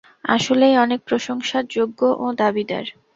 আসলেই অনেক প্রশংসার যোগ্য ও দাবিদার।